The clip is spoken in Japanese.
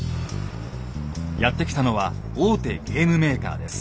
やって来たのは大手ゲームメーカーです。